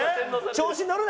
調子乗るな。